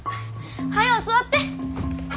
早う座って！